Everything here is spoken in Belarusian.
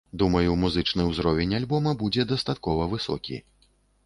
Думаю, музычны ўзровень альбома будзе дастаткова высокі.